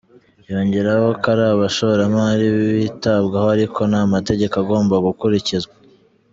Yongeraho ko ari abashoramari bitabwaho ariko n’amategeko agomba gukurikizwa.